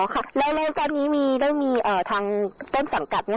อ๋อค่ะแล้วตอนนี้มีเรื่องทางต้นสังกัด